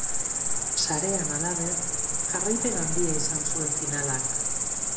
Sarean, halaber, jarraipen handia izan zuen finalak.